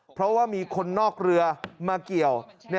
เพราะว่ามีคนนอกเรือมาเกี่ยว